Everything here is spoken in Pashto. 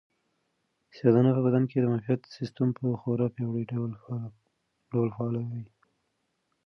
سیاه دانه په بدن کې د معافیت سیسټم په خورا پیاوړي ډول فعالوي.